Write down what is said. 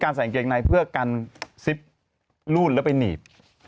การใส่อังเกงในเพื่อการซิบลูนแล้วไปหนีบ